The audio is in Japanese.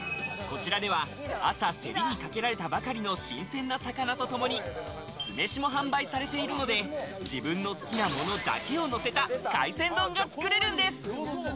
こちらでは朝、競りにかけられたばかりの新鮮な魚とともに、酢飯も販売されているので、自分の好きなものだけをのせた海鮮丼がつくれるんです。